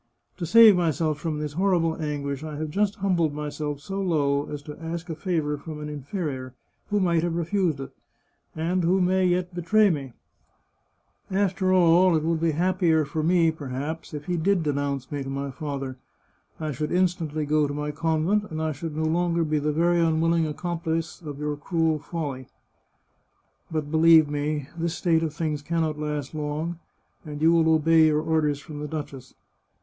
" To save myself from this horrible anguish I have just humbled myself so low as to ask a favour from an inferior, who might have refused it, and who may yet betray me. After all, it would be happier for me, perhaps, if he did 367 The Chartreuse of Parma denounce me to my father. I should instantly go to my convent, and I should no longer be the very unwilling ac complice of your cruel folly. But, beUeve me, this state of things can not last long, and you will obey your orders from the duchess.